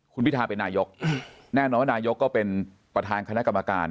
คุณพิทาเป็นนายกแน่นอนว่านายกก็เป็นประธานคณะกรรมการ